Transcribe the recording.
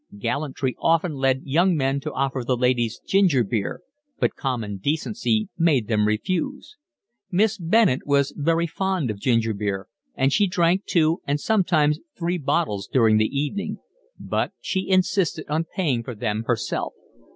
Gallantry often led young men to offer the ladies ginger beer, but common decency made them refuse. Miss Bennett was very fond of ginger beer, and she drank two and sometimes three bottles during the evening; but she insisted on paying for them herself.